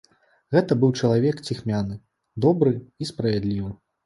Гэта быў чалавек ціхмяны, добры і справядлівы.